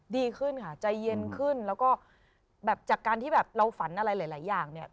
ดีขึ้นค่ะใจเย็นขึ้นแล้วก็แบบจากการที่แบบเราฝันอะไรหลายอย่างเนี่ย